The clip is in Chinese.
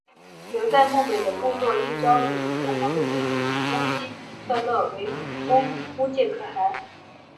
留在漠北的部落立昭礼可汗的弟弟乌希特勒为乌介可汗。